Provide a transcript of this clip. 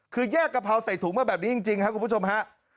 คือแยกกะเพราใส่ถุงมาแบบนี้จริงครับคุณผู้ชมฮะ